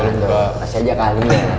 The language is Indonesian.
nah pas aja kak alin ya